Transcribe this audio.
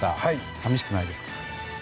寂しくないですか？